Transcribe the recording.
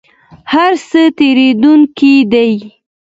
هر څه تیریدونکي دي